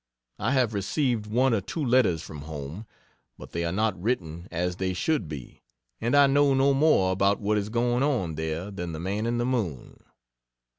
I have received one or two letters from home, but they are not written as they should be, and I know no more about what is going on there than the man in the moon.